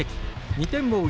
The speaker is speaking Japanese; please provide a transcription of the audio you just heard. ２点を追う